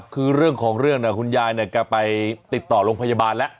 คือเรื่องของเรื่องคุณยายเนี่ยแกไปติดต่อโรงพยาบาลแล้ว